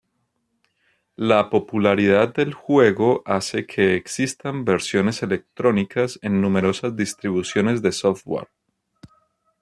La popularidad del juego hace que existan versiones electrónicas en numerosas distribuciones de software.